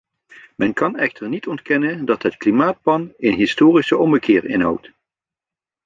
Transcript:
Men kan echter niet ontkennen dat het klimaatplan een historische ommekeer inhoudt.